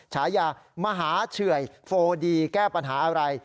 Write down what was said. ฉายามหาเฉื่อยโฟดีแก้ปัญหาอะไร